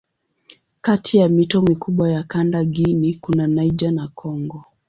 Kati ya mito mikubwa ya kanda Guinea kuna Niger na Kongo.